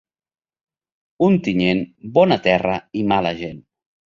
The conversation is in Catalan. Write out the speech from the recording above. Ontinyent, bona terra i mala gent.